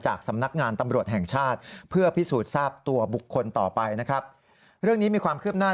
สำนักงานตำรวจแห่งชาติเพื่อพิสูจน์ทราบตัวบุคคลต่อไปนะครับเรื่องนี้มีความคืบหน้า